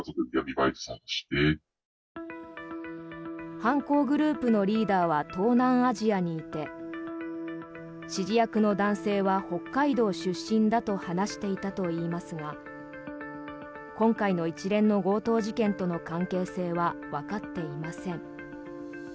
犯行グループのリーダーは東南アジアにいて指示役の男性は北海道出身だと話していたといいますが今回の一連の強盗事件との関係性はわかっていません。